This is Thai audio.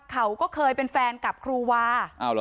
เขาก็เคยเป็นแฟนกับครูวา